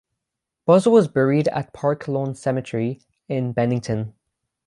Buzzell was buried at Park Lawn Cemetery in Bennington.